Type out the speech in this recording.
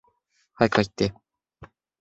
早く入って。